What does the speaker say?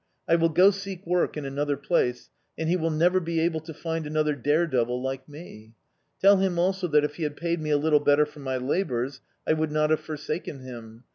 I will go seek work in another place, and he will never be able to find another dare devil like me. Tell him also that if he had paid me a little better for my labours, I would not have forsaken him.